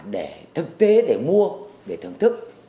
để thực tế để mua để thưởng thức